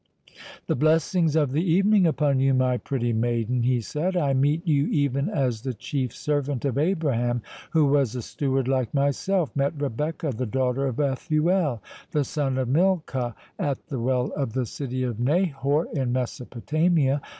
"The blessings of the evening upon you, my pretty maiden," he said. "I meet you even as the chief servant of Abraham, who was a steward like myself, met Rebecca, the daughter of Bethuel, the son of Milcah, at the well of the city of Nahor, in Mesopotamia.